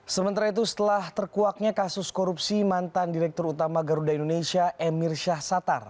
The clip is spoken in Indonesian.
sementara itu setelah terkuaknya kasus korupsi mantan direktur utama garuda indonesia emir syahsatar